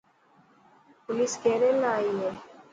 پوليس ڪير يلا آي.